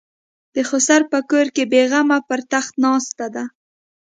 د خسر په کور بېغمه پر تخت ناسته ده.